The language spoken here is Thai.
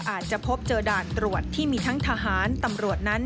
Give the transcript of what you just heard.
อาจจะพบเจอด่านตรวจที่มีทั้งทหารตำรวจนั้น